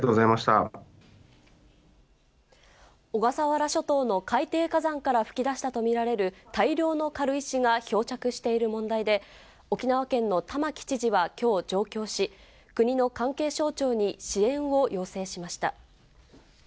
小笠原諸島の海底火山から噴き出したと見られる大量の軽石が漂着している問題で、沖縄県の玉城知事はきょう上京し、国の関係省庁に支援を要請しました。